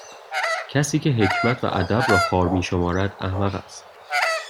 کسی که حکمت و ادب را خوار میشمارد احمق است